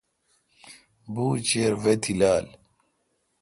بوُچیر وے°تیلال۔